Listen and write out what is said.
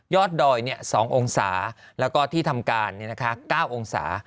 ดอย๒องศาแล้วก็ที่ทำการ๙องศา